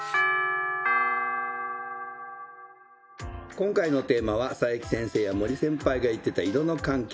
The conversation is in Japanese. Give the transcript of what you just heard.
今回のテーマは佐伯先生や森先輩が言ってた「色の関係」。